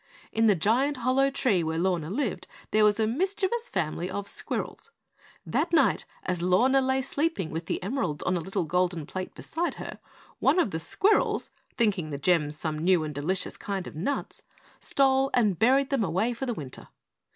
In the giant hollow tree where Lorna lived there was a mischievous family of squirrels. That night, as Lorna lay sleeping with the emeralds on a little golden plate beside her, one of the squirrels, thinking the gems some new and delicious kind of nuts, stole and buried them away for the winter.